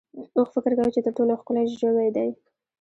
اوښ فکر کوي چې تر ټولو ښکلی ژوی دی.